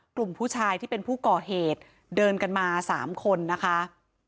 กลุ่มผู้ชายที่เป็นผู้ก่อเหตุเดินกันมา๓คนนะคะ